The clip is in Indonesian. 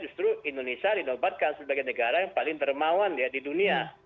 justru indonesia dinobatkan sebagai negara yang paling termawan di dunia